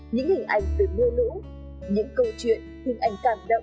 những hình ảnh về mưa lũ những câu chuyện hình ảnh cảm động